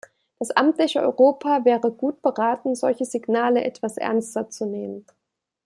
Das amtliche Europa wäre gut beraten, solche Signale etwas ernster zu nehmen.